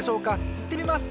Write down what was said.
いってみます！